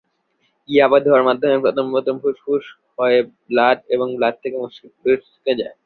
ইয়াবা ধোঁয়ার মাধ্যমে প্রথমে ফুসফুস হয়ে ব্লাড এবং ব্লাড থেকে মস্তিষ্কে যায়।